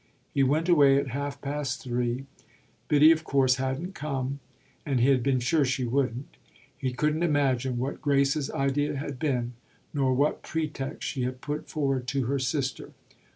He went away at half past three; Biddy of course hadn't come, and he had been sure she wouldn't. He couldn't imagine what Grace's idea had been, nor what pretext she had put forward to her sister.